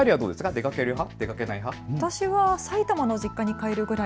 出かける派？